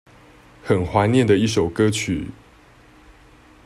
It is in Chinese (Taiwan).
很懷念的一首歌曲